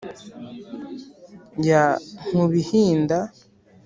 ya nkub-ihinda